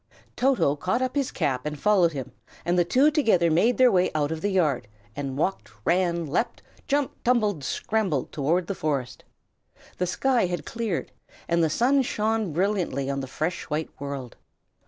Toto caught up his cap and followed him, and the two together made their way out of the yard, and walked, ran, leaped, jumped, tumbled, scrambled, toward the forest. The sky had cleared, and the sun shone brilliantly on the fresh white world.